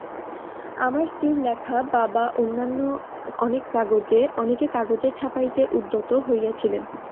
আমার স্ত্রীর লেখা বাবা এবং অন্যান্য অনেকে কাগজে ছাপাইতে উদ্যত হইয়াছিলেন।